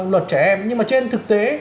luật trẻ em nhưng mà trên thực tế